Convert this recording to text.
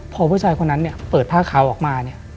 พอผู้ชายคนนั้นเปิดท่าขาวออกมา